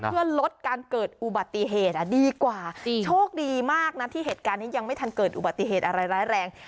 เพื่อลดการเกิดอุบัติเหตุดีกว่าโชคดีมากนะที่เหตุการณ์นี้ยังไม่ทันเกิดอุบัติเหตุอะไรร้ายแรง